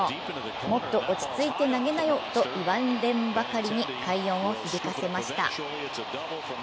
もっと落ち着いて投げなよと言わんばかりに快音を響かせました。